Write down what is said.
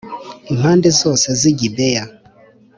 impande zose z i gibeya